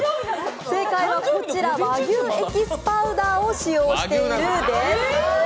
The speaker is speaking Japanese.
正解は和牛エキスパウダーを使用しているです。